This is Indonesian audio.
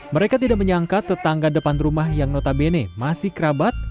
mereka tidak menyangka tetangga depan rumah yang notabene masih kerabat